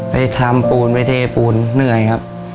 ไปทำปูนไปเทปูนเหนื่อยครับ